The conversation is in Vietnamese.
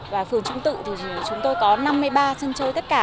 và phường trung tự thì chúng tôi có năm mươi ba sân chơi tất cả